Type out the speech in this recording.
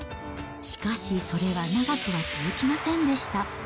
しかしそれは長くは続きませんでした。